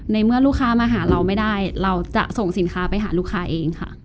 เมื่อลูกค้ามาหาเราไม่ได้เราจะส่งสินค้าไปหาลูกค้าเองค่ะ